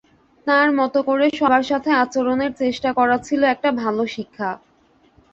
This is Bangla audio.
তাঁর মত করে সবার সাথে আচরণের চেষ্টা করা ছিল একটা ভাল শিক্ষা।